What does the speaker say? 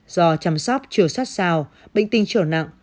do chăm sóc chưa sát sao bệnh tinh trở nặng